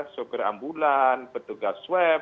soker ambulan petugas web